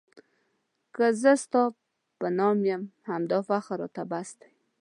که زه ستا په نام یم همدا فخر راته بس دی.